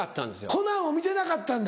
『コナン』を見てなかったんだ？